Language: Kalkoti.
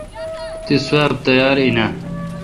تس سواب تیار این اؘ۔